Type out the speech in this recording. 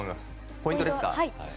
ポイントですか？